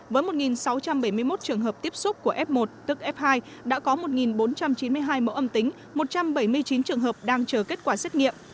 với một sáu trăm bảy mươi một trường hợp tiếp xúc của f một tức f hai đã có một bốn trăm chín mươi hai mẫu âm tính một trăm bảy mươi chín trường hợp đang chờ kết quả xét nghiệm